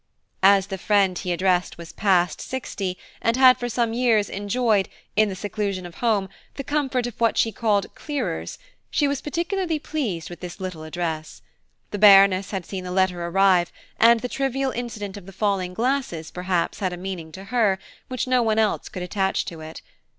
As the friend he addressed was past sixty, and had for some years enjoyed, in the seclusion of home, the comfort of what she called clearers, she was particularly pleased with this little address. The Baroness had seen the letter arrive, and the trivial incident of the falling glasses, perhaps, had a meaning to her, which no one else could attach to it.